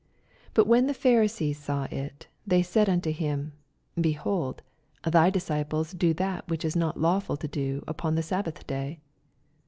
2 But when the Pharisees saw it, thev said unto him. Behold, thy dis dples do that whicn is not lawful to do upon the sabbath day.